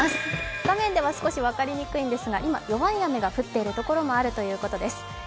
画面では少し分かりにくいんですが今、弱い雨が降っている所もあるということです。